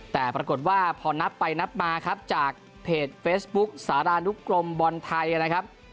แต่ปรากฏว่าพอนับไปนับมาครับจากเพจเฟซบุ๊กสารานุกรมบอลไทยนะครับ